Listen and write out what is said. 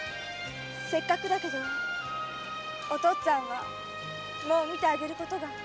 せっかくだけどおとっつぁんはもう見てあげる事ができないの。